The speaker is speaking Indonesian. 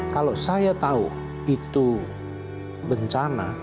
kalau saya tahu itu bencana